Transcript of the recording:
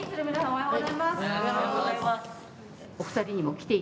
おはようございます。